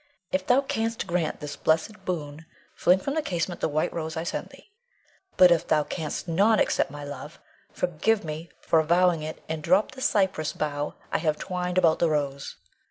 If thou canst grant this blessed boon, fling from the casement the white rose I send thee; but if thou canst not accept my love, forgive me for avowing it, and drop the cypress bough I have twined about the rose.